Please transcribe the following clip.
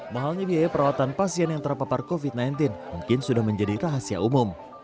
mahalnya biaya perawatan pasien yang terpapar covid sembilan belas mungkin sudah menjadi rahasia umum